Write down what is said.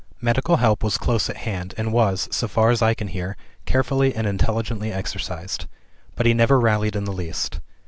"Medical help was close at hand, and was (so far as I can hear) carefully and intelligently exercised. But he never rallied in the least.